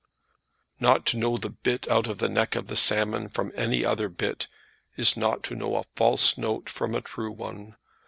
"Not to know the bit out of the neck of the salmon from any other bit, is not to know a false note from a true one.